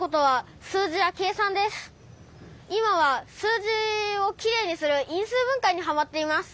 今は数字をきれいにする因数分解にハマっています。